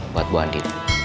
buat bu andi